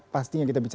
pastinya kita bicara